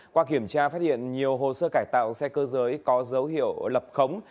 qua kiểm tra phát hiện nhiều hồ sơ cải tạo xe cơ giới có dấu hiệu lập khống